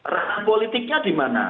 ranah politiknya di mana